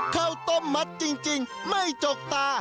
ข้อต้มมัดจริงจริงไม่จกตา